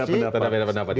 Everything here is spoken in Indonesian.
kita ada beda pendapat ya